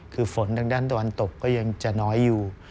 คือฝนทางด้านตะวันตกก็ยังจะน้อยอยู่